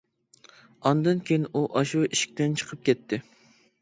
ئاندىن كېيىن، ئۇ ئاشۇ ئىشىكتىن چىقىپ كەتتى.